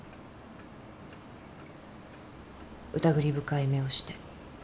疑り深い目をして。